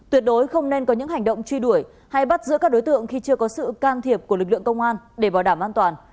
tuyệt đối không nên có những hành động truy đuổi hay bắt giữ các đối tượng khi chưa có sự can thiệp của lực lượng công an để bảo đảm an toàn